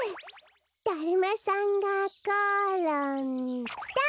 だるまさんがころんだ！